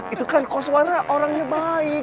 itu kan koswana orangnya baik